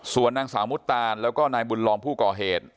ส่วนนางสาวมุตตานแล้วก็นายบุญรองผู้ก่อเหตุ